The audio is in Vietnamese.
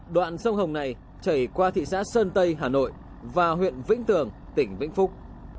đoạn sông hồng này chảy qua thị xã sơn tây hà nội và huyện vĩnh tường tỉnh vĩnh phúc